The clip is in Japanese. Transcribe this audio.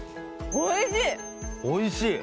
おいしい？